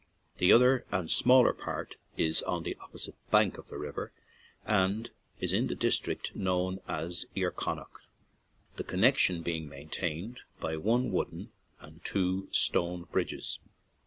The other and smaller part is on the opposite bank of the river and in the district known as lar Connaught, the connection being maintained by one wooden and two stone bridges.